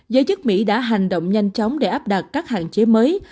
giới chức mỹ đã hành động nhanh chóng để áp đặt các hạn chế mới